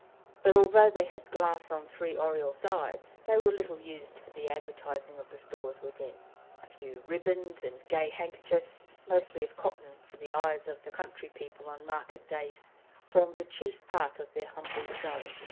But, although they had glass on three oriel sides, they were little used for the advertising of the stores within. A few ribbons and gay handkerchiefs, mostly of cotton, for the eyes of the country people on market days, formed the chief part of their humble show.